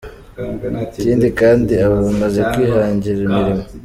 Ikindi kandi aba bamaze kwihangira imirimo".